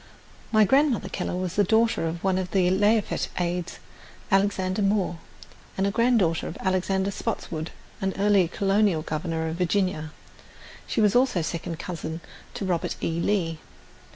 My Grandmother Keller was a daughter of one of Lafayette's aides, Alexander Moore, and granddaughter of Alexander Spotswood, an early Colonial Governor of Virginia. She was also second cousin to Robert E. Lee.